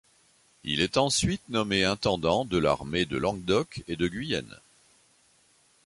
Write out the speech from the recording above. Il est ensuite nommé intendant de l'armée de Languedoc et de Guyenne.